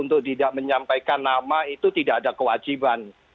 untuk tidak menyampaikan nama itu tidak ada kewajiban